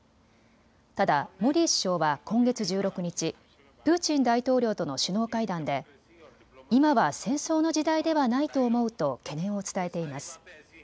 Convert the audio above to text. ただ、モディ首相は今月１６日、プーチン大統領との首脳会談で今は戦争の時代ではないと思うと懸念を伝えています。